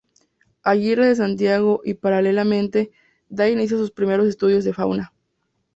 Aguirre de Santiago, y paralelamente, da inicio a sus primeros estudios de fauna.